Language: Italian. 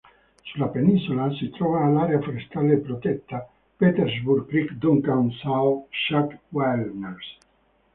Sulla penisola si trova l'area forestale protetta "Petersburg Creek–Duncan Salt Chuck Wilderness".